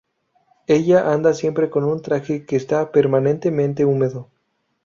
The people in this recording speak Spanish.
Ella anda siempre con un traje que está permanentemente húmedo.